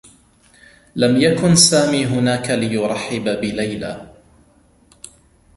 لم يكن سامي هناك ليرحّب بليلى.